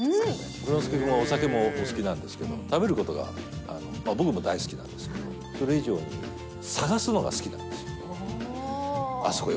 蔵之介君はお酒、お好きなんですけど、食べることが僕も大好きなんですけど、それ以上に、探すのが好きなんですよ。